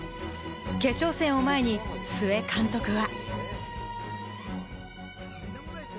決勝戦を前に、須江監督は。